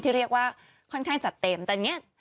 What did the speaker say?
เรียกว่าค่อนข้างจัดเต็มแต่เนี่ย